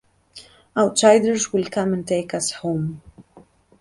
Outsiders will come and take us home.